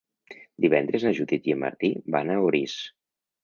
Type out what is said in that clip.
Divendres na Judit i en Martí van a Orís.